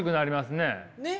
ねっ。